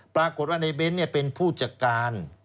ปรากฏว่านายเบ้นเนี่ยเป็นผู้จักรการ